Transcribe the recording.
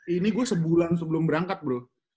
ini gue sebulan sebelum berangkat bro